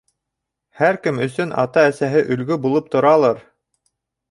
Һәр кем өсөн ата-әсәһе өлгө булып торалыр.